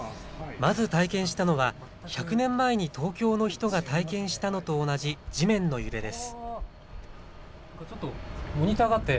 まず体験したのは１００年前に東京の人が体験したのと同じ地面の揺れです。